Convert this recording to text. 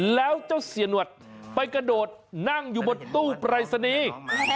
แล้วท่านสีเนาดไปกระโดดนั่งอยู่บนตู้เปรยษณีย์